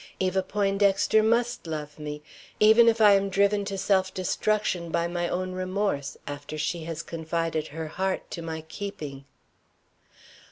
Eva Poindexter must love me, even if I am driven to self destruction by my own remorse, after she has confided her heart to my keeping.